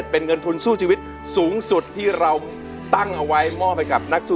เป็นคุณที่๒ในรายการโถ่เล่า